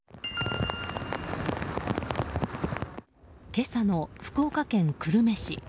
今朝の福岡県久留米市。